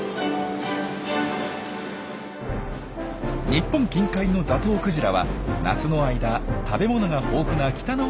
日本近海のザトウクジラは夏の間食べ物が豊富な北の海で過ごします。